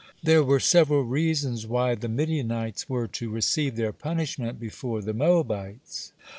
There was several reasons why the Midianites were to receive their punishment before the Moabites.